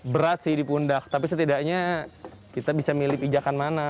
berat sih di pundak tapi setidaknya kita bisa milih pijakan mana